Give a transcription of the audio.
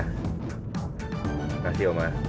terima kasih oma